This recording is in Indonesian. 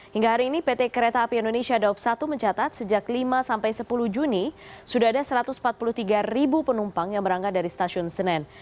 hingga hari ini pt kereta api indonesia daup satu mencatat sejak lima sampai sepuluh juni sudah ada satu ratus empat puluh tiga penumpang yang berangkat dari stasiun senen